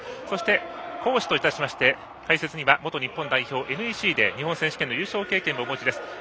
そして講師として解説には元日本代表、ＮＥＣで日本選手権の優勝経験もお持ちです